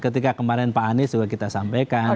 ketika kemarin pak anies juga kita sampaikan